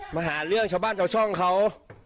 มาหาเรื่องชาวบ้านชาวช่องเขา